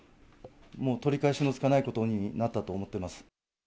もう取り返しのつかないことになったと思ってます。